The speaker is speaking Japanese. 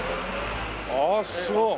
ああそう。